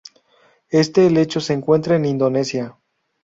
Este helecho se encuentra en Indonesia.